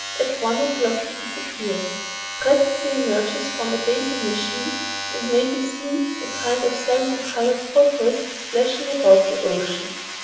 At one o'clock he disappears, presently emerges from a bathing machine, and may be seen a kind of salmon colored porpoise, splashing about in the ocean.